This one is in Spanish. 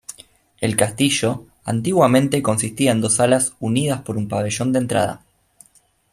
El castillo antiguamente consistía en dos alas unidas por un pabellón de entrada.